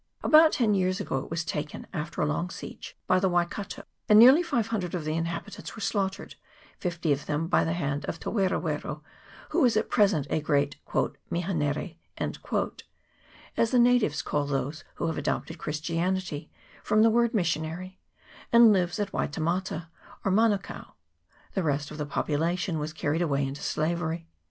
About ten years ago it was taken, after a long siege, by the Waikato, and nearly 500 of the inhabitants were slaughtered, fifty of them by the hand of Te wero wero, who is at present a great " Mihanere " (as the natives call those who have adopted Christianity, from the word missionary), and lives at Waitemata or Manukao; the rest of the population was carried away into slavery.